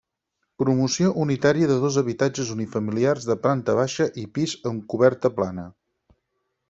Promoció unitària de dos habitatges unifamiliars de planta baixa i pis amb coberta plana.